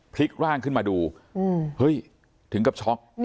พลิกร่างขึ้นมาดูเฮ้ยถึงกับช็อก